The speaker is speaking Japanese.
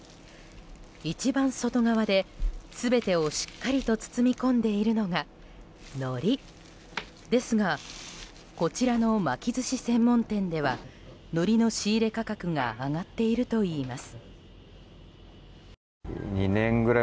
一番外側で全てをしっかりと包み込んでいるのがのりですがこちらの巻き寿司専門店ではのりの仕入れ価格が上がっているといいます。